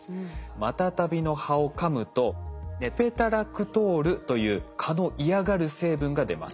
マタタビの葉をかむとネペタラクトールという蚊の嫌がる成分が出ます。